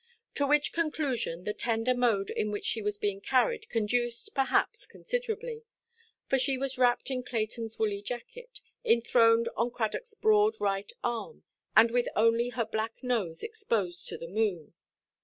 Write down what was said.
To which conclusion the tender mode in which she was being carried conduced, perhaps, considerably; for she was wrapped in Claytonʼs woolly jacket, enthroned on Cradockʼs broad right arm, and with only her black nose exposed to the moon.